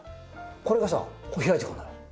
これがさ開いてくるのよ。